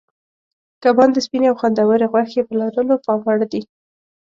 کبان د سپینې او خوندورې غوښې په لرلو پام وړ دي.